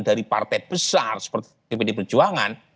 dari partai besar seperti dpd perjuangan